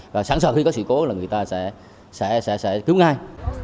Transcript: và sẵn sàng khi có sự cố là người ta sẽ cứu ngay